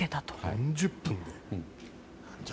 ４０分で。